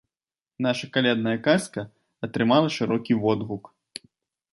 Наша калядная казка атрымала шырокі водгук.